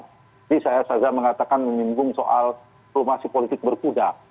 jadi saya saja mengatakan mengimbung soal promosi politik berkuda